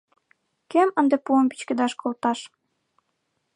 Кӧм ынде пуым пӱчкедаш колташ?